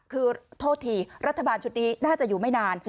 คือโทษทีรัฐบาลชุดนี้น่าจะอยู่ไม่นาน